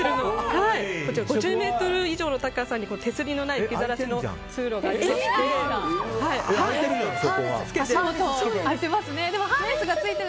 こちら、５０ｍ以上の高さに手すりのない吹きざらしの通路がありまして。